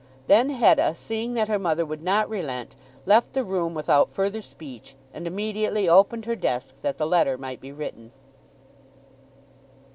Then Hetta, seeing that her mother would not relent, left the room without further speech, and immediately opened her desk that the letter might be written.